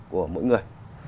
của mỗi người